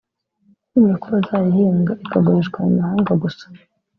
ntibumve ko bazayihinga ikagurishwa mu mahanga gusa